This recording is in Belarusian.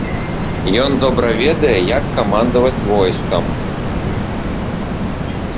Ён добра ведае, як камандаваць войскам.